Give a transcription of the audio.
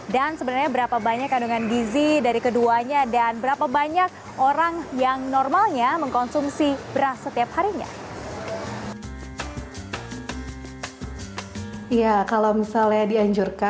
dan sebenarnya berapa banyak kandungan gizi dari keduanya dan berapa banyak orang yang normalnya mengkonsumsi beras setiap harinya